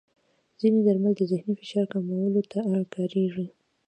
ځینې درمل د ذهني فشار کمولو ته کارېږي.